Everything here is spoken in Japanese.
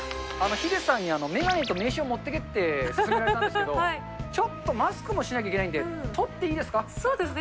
ヒデさんに眼鏡と名刺を持ってけって進められたんですけど、ちょっとマスクもしなきゃいけないんで、取っていいですか？